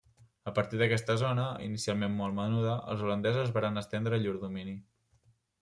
A partir d'aquesta zona, inicialment molt menuda, els holandesos varen estendre llur domini.